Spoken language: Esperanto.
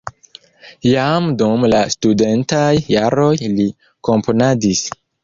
Jam dum la studentaj jaroj li komponadis.